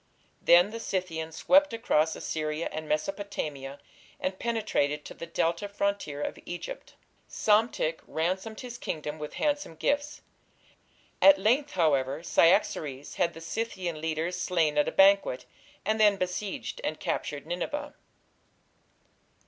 Then the Scythians swept across Assyria and Mesopotamia, and penetrated to the Delta frontier of Egypt. Psamtik ransomed his kingdom with handsome gifts. At length, however, Cyaxares had the Scythian leaders slain at a banquet, and then besieged and captured Nineveh.